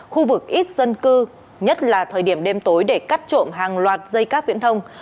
khu vực ít dân cư nhất là thời điểm đêm tối để cắt trộm hàng loạt dây cáp viễn thông